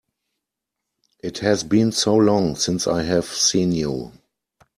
It has been so long since I have seen you!